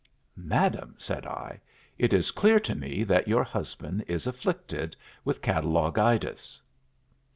"'Madam,' said I, 'it is clear to me that your husband is afflicted with catalogitis.'